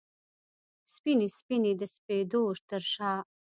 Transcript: سپینې، سپینې د سپېدو ترشا